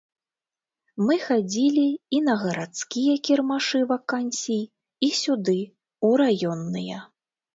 Мы хадзілі і на гарадскія кірмашы вакансій, і сюды, у раённыя.